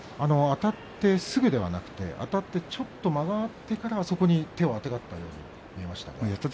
あたってすぐではなくてちょっと間があってからそこに手をあてがったように見えました。